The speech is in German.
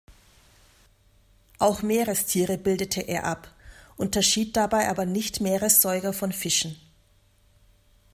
Auch Meerestiere bildete er ab, unterschied dabei aber nicht Meeressäuger von Fischen.